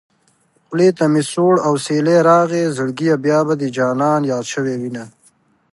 خولې ته مې سوړ اوسېلی راغی زړګيه بيا به دې جانان ياد شوی وينه